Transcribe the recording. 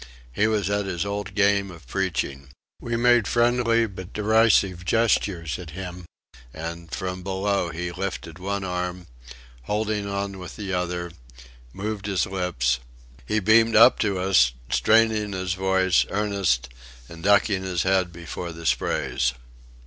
He was at his old game of preaching. We made friendly but derisive gestures at him, and from below he lifted one arm, holding on with the other, moved his lips; he beamed up to us, straining his voice earnest, and ducking his head before the sprays.